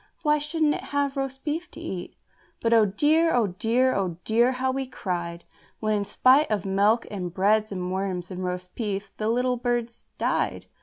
why shouldn't it have roast beef to eat?" But, oh dear! oh dear! oh dear! how we cried When in spite of milk and bread and worms and roast beef, the little birds died!